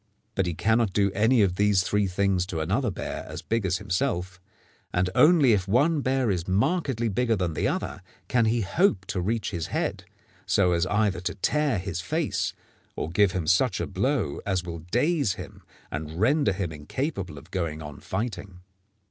But he cannot do any one of these three things to another bear as big as himself, and only if one bear is markedly bigger than the other can he hope to reach his head, so as either to tear his face or give him such a blow as will daze him and render him incapable of going on fighting.